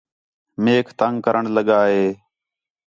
میک تنگ کرݨ لڳا ہِے